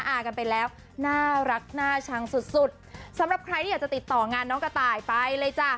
อากันไปแล้วน่ารักน่าชังสุดสุดสำหรับใครที่อยากจะติดต่องานน้องกระต่ายไปเลยจ้ะ